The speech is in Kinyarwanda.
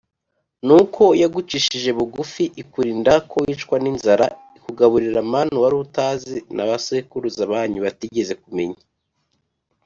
… Nuko yagucishije bugufi ikurinda ko wicwa n’inzara ikugaburira manu wari utazi, na ba sekuruza banyu batigeze kumenya,